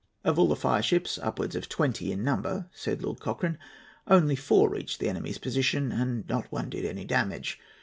"Of all the fire ships, upwards of twenty in number," said Lord Cochrane, "only four reached the enemy's position, and not one did any damage.